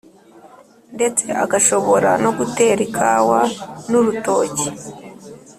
ndetse agashobora no gutera ikawa n’urutoki.